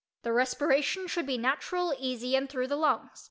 The respiration should be natural, easy and through the lungs.